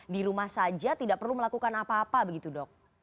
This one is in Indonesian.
di rumah saja tidak perlu melakukan apa apa begitu dok